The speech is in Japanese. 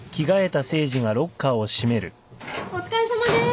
お疲れさまです。